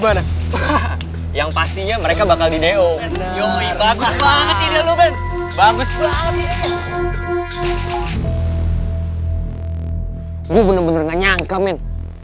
jangan di lapangan jangan jangan